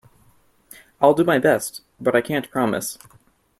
I'll do my best, but I can't promise.